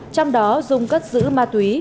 trong đó dung cất giữ ma túy